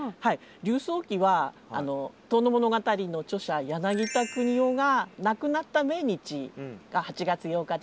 柳叟忌は「遠野物語」の著者柳田國男が亡くなった命日が８月８日で。